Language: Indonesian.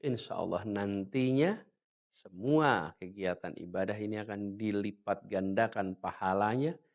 insya allah nantinya semua kegiatan ibadah ini akan dilipat gandakan pahalanya